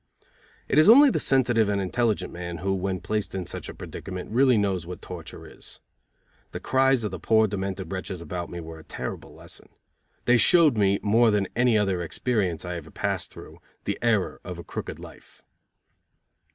It is only the sensitive and intelligent man who, when placed in such a predicament, really knows what torture is. The cries of the poor demented wretches about me were a terrible lesson. They showed me more than any other experience I ever passed through the error of a crooked life.